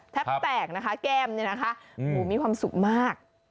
แท็กนะคะแก้มนี่นะคะโอ้โหมีความสุขมาก